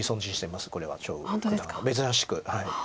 珍しく。